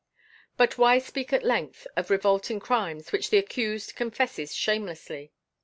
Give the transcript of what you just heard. But why speak at length of revolting crimes which the accused confesses shamelessly...?"